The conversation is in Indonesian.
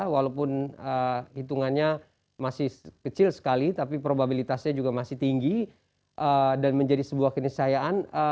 walaupun hitungannya masih kecil sekali tapi probabilitasnya juga masih tinggi dan menjadi sebuah kenisayaan